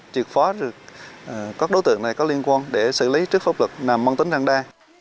truyệt phó các đối tượng này có liên quan để xử lý trước pháp luật nằm mong tính răng đa